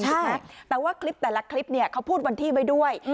ใช่ไหมแต่ว่าคลิปแต่ละคลิปเนี่ยเขาพูดวันที่ไว้ด้วย